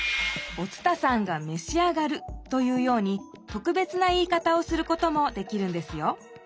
「お伝さんがめし上がる」というようにとくべつな言い方をすることもできるんですよ。